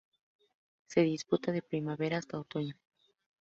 Se disputa de primavera hasta otoño.